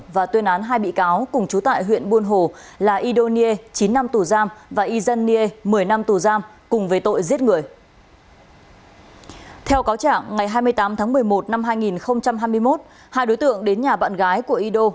vào cáo trạng ngày hai mươi tám tháng một mươi một năm hai nghìn hai mươi một hai đối tượng đến nhà bạn gái của y đô